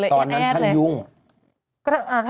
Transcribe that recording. ตอนนั้นพูด